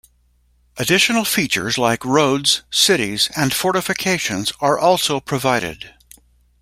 Additional features like roads, cities, and fortifications are also provided.